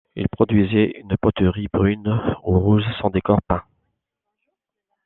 Ils produisaient une poterie brune ou rouge, sans décor peint.